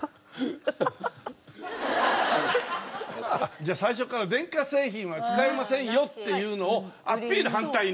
じゃあ最初から電化製品は使えませんよっていうのをアピール反対に。